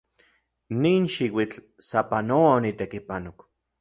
Nin xiuitl sapanoa onitekipanok.